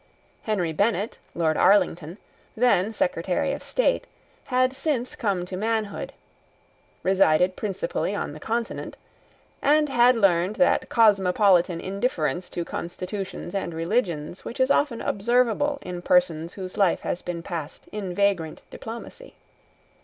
Henry Bennet, Lord Arlington, then Secretary of State, had since he came to manhood, resided principally on the Continent, and had learned that cosmopolitan indifference to constitutions and religions which is often observable in persons whose life has been passed in vagrant diplomacy.